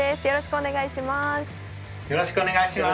よろしくお願いします。